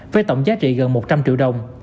với tổng giá trị gần một trăm linh triệu đồng